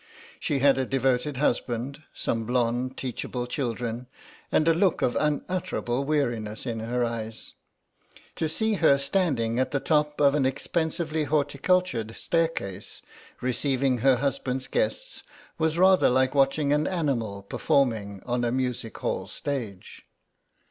She had a devoted husband, some blonde teachable children, and a look of unutterable weariness in her eyes. To see her standing at the top of an expensively horticultured staircase receiving her husband's guests was rather like watching an animal performing on a music hall stage.